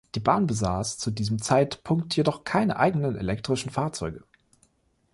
Die Bahn besass zu diesem Zeitpunkt jedoch keine eigenen elektrischen Fahrzeuge.